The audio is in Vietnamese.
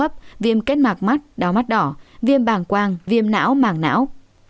hấp viêm kết mạc mắt đau mắt đỏ viêm bảng quang viêm não mảng não